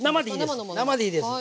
生でいいです。